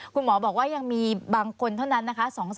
คุณหมอบอกว่ายังมีบางคนเท่านั้นนะคะ